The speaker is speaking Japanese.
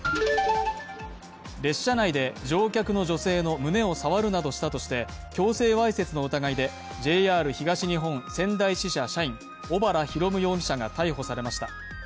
列車内で乗客の女性の胸を触るなどしたとして強制わいせつの疑いでＪＲ東日本仙台支社社員、小原広夢容疑者が逮捕されました。